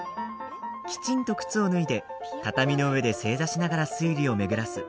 きちんと靴を脱いで、畳の上で正座しながら推理を巡らす。